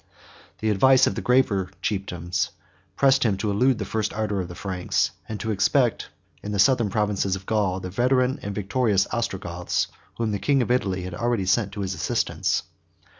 The advice of the graver chieftains pressed him to elude the first ardor of the Franks; and to expect, in the southern provinces of Gaul, the veteran and victorious Ostrogoths, whom the king of Italy had already sent to his assistance.